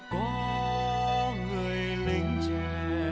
có người linh trẻ